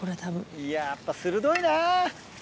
いややっぱ鋭いな。